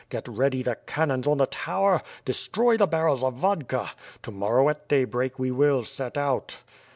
Get ready the can nons on the tower! Destroy the barrels of vodka! To mor row at daybreak we will set out!"